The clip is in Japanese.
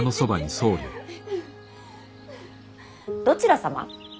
どちら様？